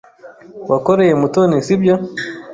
Wakoreye Mutoni, sibyo?